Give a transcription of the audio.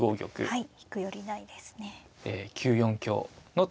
はい。